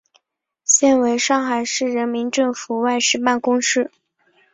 现为上海市人民政府外事办公室。